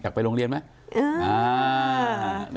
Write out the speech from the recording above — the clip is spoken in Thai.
อยากไปโรงเรียนไหม